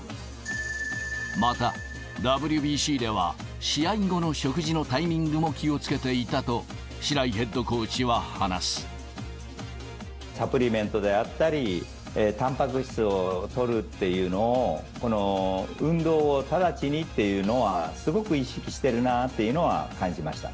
また、ＷＢＣでは、試合後の食事のタイミングも気をつけていたと、白井ヘッドコーチサプリメントであったり、タンパク質をとるっていうのを、この運動後直ちにっていうのは、すごく意識してるなというのは、感じました。